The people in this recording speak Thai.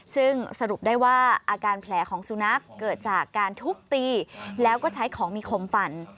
ซึ่งสรุปได้ว่าอาการแผลของสุนัขเกิดจากการทุบตีแล้วก็ใช้ของมีคมฟัน